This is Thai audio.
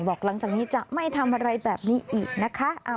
หลังจากนี้จะไม่ทำอะไรแบบนี้อีกนะคะ